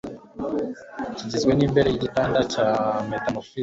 kigizwe n'imbere yigitanda cya metamorphic